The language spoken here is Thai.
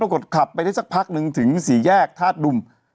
ปรากฏขับไปได้สักพักนึงถึงสี่แยกทาสดุม